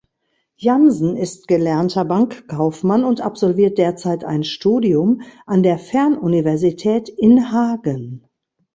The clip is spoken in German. Jansen ist gelernter Bankkaufmann und absolviert derzeit ein Studium an der Fernuniversität in Hagen.